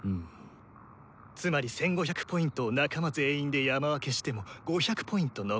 つまり１５００Ｐを仲間全員で山分けしても５００Ｐ残る。